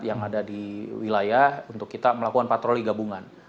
yang ada di wilayah untuk kita melakukan patroli gabungan